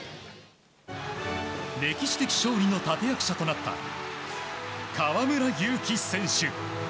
歴史的勝利の立役者となった河村勇輝選手。